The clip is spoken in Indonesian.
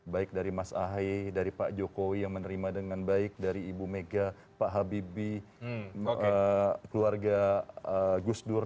baik dari mas ahy dari pak jokowi yang menerima dengan baik dari ibu mega pak habibie keluarga gus dur